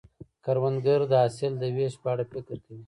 کروندګر د حاصل د ویش په اړه فکر کوي